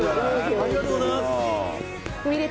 ありがとうございます。